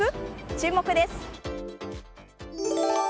注目です。